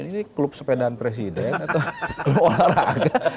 ini klub sepedaan presiden atau keluarga